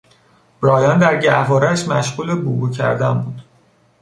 برایان در گهوارهاش مشغول بوبو کردن بود.